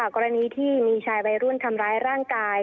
กรณีที่มีชายวัยรุ่นทำร้ายร่างกาย